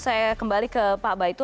saya kembali ke pak baitu